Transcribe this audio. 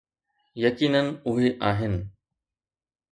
يقينا اهي آهن.